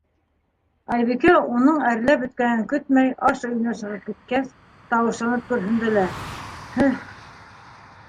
Айбикә, уның әрләп бөткәнен көтмәй, аш өйөнә сығып киткәс, тауышланып көрһөндө лә: - Һе.